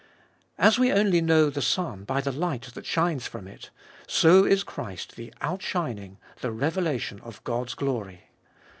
As we only know the sun by the light that shines from it, so is Christ the outshining, the revelation of God's glory.